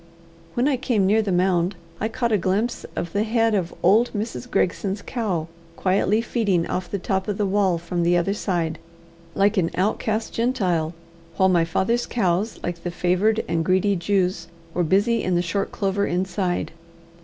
When I came near the mound, I caught a glimpse of the head of old Mrs. Gregson's cow quietly feeding off the top of the wall from the other side, like an outcast Gentile; while my father's cows, like the favoured and greedy Jews, were busy in the short clover inside.